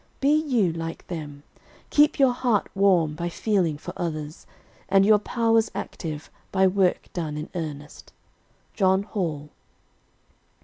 Be you like them. Keep your heart warm by feeling for others, and your powers active by work done in earnest. JOHN HALL.